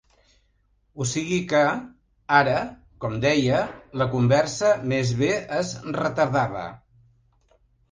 O sigui que, ara, com deia, la conversa més bé es retardava.